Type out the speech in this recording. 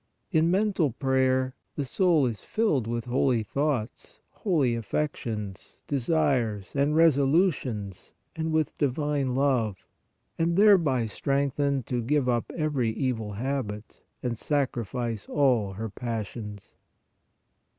In mental prayer the soul is filled with holy thoughts, holy affections, desires and resolutions and with divine love and thereby strengthened to give up every evil habit and sacrifice all her passions."